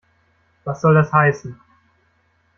Was soll das heißen?